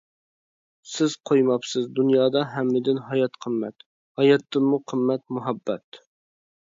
سىز قويماپسىز دۇنيادا ھەممىدىن ھايات قىممەت، ھاياتتىنمۇ قىممەت مۇھەببەت.